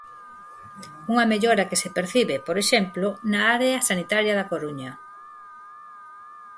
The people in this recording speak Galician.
Unha mellora que se percibe, por exemplo, na área sanitaria da Coruña.